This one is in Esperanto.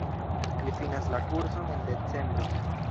Li finas la kurson en decembro.